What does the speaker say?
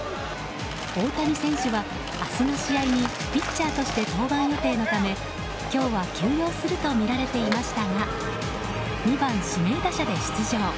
大谷選手は明日の試合にピッチャーとして登板予定のため今日は休養するとみられていましたが２番指名打者で出場。